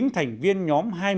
chín thành viên nhóm